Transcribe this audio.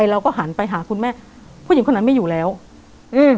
เราก็หันไปหาคุณแม่ผู้หญิงคนนั้นไม่อยู่แล้วอืม